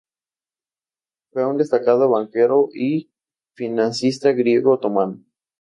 Fue un destacado banquero y financista griego otomano.